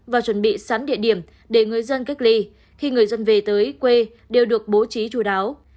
và chuẩn bị sẵn địa điểm để người dân cách ly khi người dân về tới quê đều được bố trí chú đáo